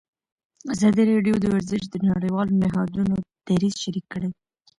ازادي راډیو د ورزش د نړیوالو نهادونو دریځ شریک کړی.